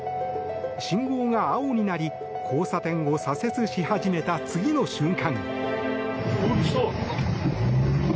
信号が青になり交差点を左折し始めた次の瞬間。